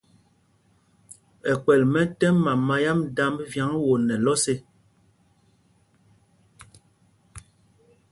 Ɛkpɛl mɛ tɛ́m mama yám dámb vyǎŋ won nɛ lɔs ê.